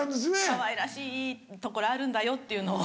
かわいらしいところあるんだよっていうのを。